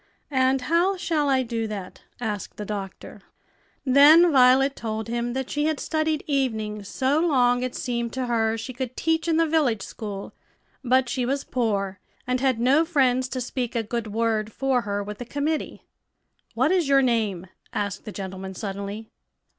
"And how shall I do that?" asked the doctor. Then Violet told him that she had studied evenings so long it seemed to her she could teach in the village school; but she was poor, and had no friends to speak a good word for her with the committee. "What is your name?" asked the gentleman, suddenly.